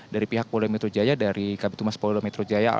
dari pihak poli metro jaya dari kabupaten mas poli metro jaya